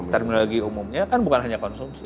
terminologi umumnya kan bukan hanya konsumsi